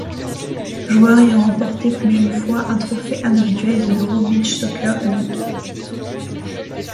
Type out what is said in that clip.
Joueurs ayant remportés plus d'une fois un trophée individuel de l'Euro Beach Soccer League.